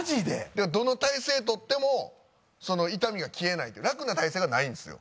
だからどの体勢とってもその痛みが消えないというか楽な体勢がないんですよ。